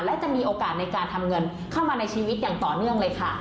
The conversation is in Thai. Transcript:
และจะมีโอกาสในการทำเงินเข้ามาในชีวิตอย่างต่อเนื่องเลยค่ะ